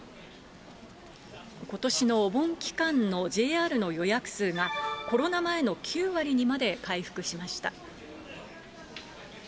ことしのお盆期間のＪＲの予約数が、コロナ前の９割にまで回復しました。